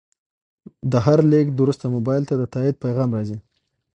د هر لیږد وروسته موبایل ته د تایید پیغام راځي.